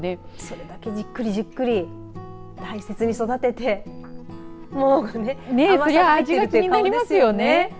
それだけ、じっくり、じっくり大切に育ててそれは味が気になりますよね。